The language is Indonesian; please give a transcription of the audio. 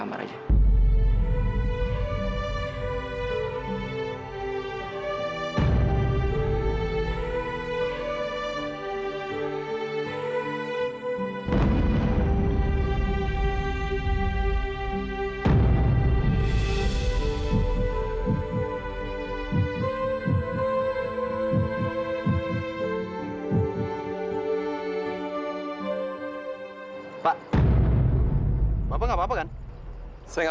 terima kasih ya